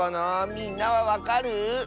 みんなはわかる？